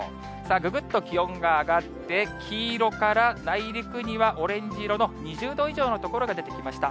ぐぐっと気温が上がって、黄色から内陸にはオレンジ色の２０度以上の所が出てきました。